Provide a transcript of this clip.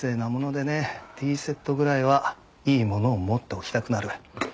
ティーセットぐらいはいいものを持っておきたくなる。